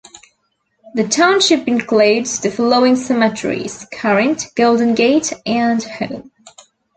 The township includes the following cemeteries: Current, Golden Gate and Home.